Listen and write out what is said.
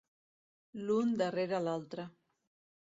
L'un darrere l'altre.